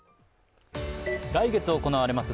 来月行われます